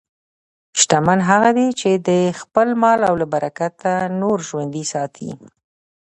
شتمن هغه دی چې د خپل مال له برکته نور ژوندي ساتي.